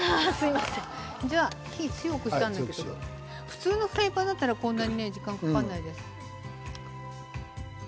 じゃあ、火を強くしたんだけど普通のフライパンだったらこんなに時間がかからないです。